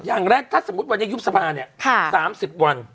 อย่างแรกถ้าสมมุติวันนี้ยุบสภาเนี่ย๓๐วัน